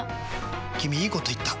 君いいこと言った！